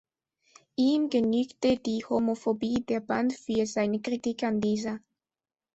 Ihm genügte die Homophobie der Band für seine Kritik an dieser.